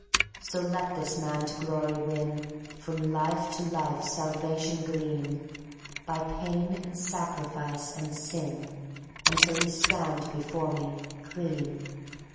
"So let this man to glory win; From life to life salvation glean; By pain and sacrifice and sin, Until he stand before Me clean.